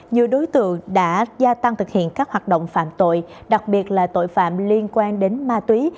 nhiều đối tượng đã gia tăng thực hiện các hoạt động phạm tội đặc biệt là tội phạm liên quan đến ma túy